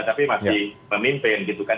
tapi masih memimpin gitu kan